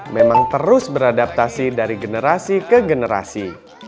memang terus beradaptasi dari generasi ke generasi